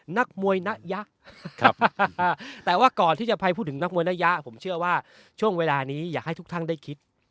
นักมวยนะยะครับแต่ว่าก่อนที่จะไปพูดถึงนักมวยนยะผมเชื่อว่าช่วงเวลานี้อยากให้ทุกท่านได้คิด